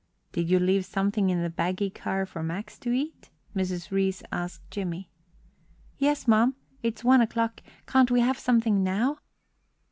"Did you leave something in the baggage car for Max to eat?" Mrs. Reece asked Jimmie. "Yes, mum. It's one o'clock; can't we have something now?"